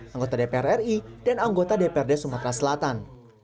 anggota dpr ri dan anggota dprd sumatera selatan